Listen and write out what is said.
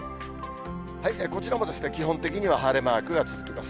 こちらもですね、基本的には晴れマークが続きます。